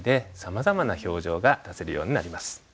さまざまな表情が出せるようになります。